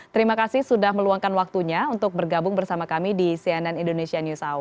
terima kasih sudah meluangkan waktunya untuk bergabung bersama kami di cnn indonesia news hour